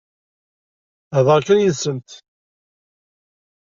Hḍeṛ kan yid-sent.